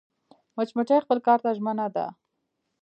مچمچۍ خپل کار ته ژمنه ده